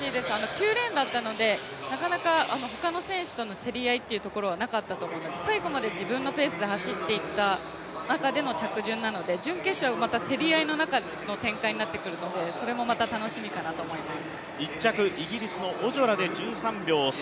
９レーンだったのでなかなか他の選手との競り合いというところはなかったと思うので、最後まで自分のペースで走っていった中での着順なので、準決勝はまた競り合いの中の展開になってくるのでそれもまた楽しみかなと思います。